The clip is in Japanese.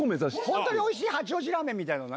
本当においしい八王子ラーメンみたいなの。